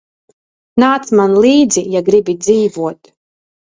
Nāc man līdzi, ja gribi dzīvot.